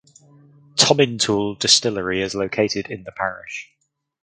Tomintoul Distillery is located in the parish.